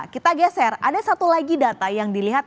kita geser ada satu lagi data yang dilihat